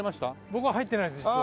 僕は入ってないです実は。